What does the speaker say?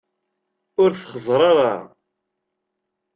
Ur t-xeẓẓer ara!